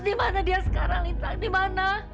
di mana dia sekarang lintang di mana